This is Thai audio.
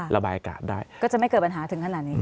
ระบายอากาศได้ก็จะไม่เกิดปัญหาถึงขนาดนี้